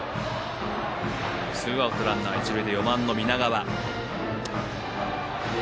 ツーアウトランナー、一塁で４番の南川。